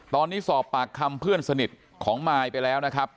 ตอนนี้สอบปากคำเพื่อนสนิทของมายไปแล้วนะครับ